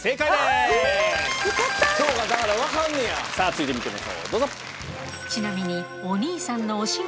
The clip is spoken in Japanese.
続いて見てみましょうどうぞ。